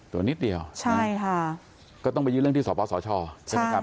ตัวนิดเดียวใช่ค่ะก็ต้องไปยื่นเรื่องที่สปสชใช่ไหมครับ